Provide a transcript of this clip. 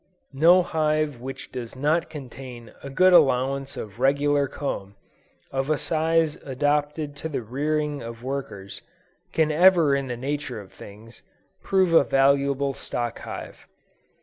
No hive which does not contain a good allowance of regular comb of a size adapted to the rearing of workers, can ever in the nature of things, prove a valuable stock hive.